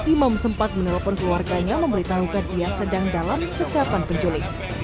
imam sempat meneropon keluarganya memberitahukan dia sedang dalam segapan penjuling